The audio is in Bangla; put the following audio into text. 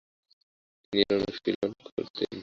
তিনি এর অনুশীলন করতেন।